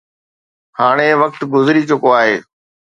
هاڻي وقت گذري چڪو آهي.